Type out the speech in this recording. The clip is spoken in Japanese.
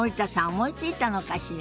思いついたのかしら。